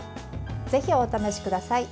ぜひお試しください。